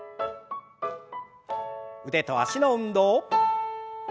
腕と脚の運動。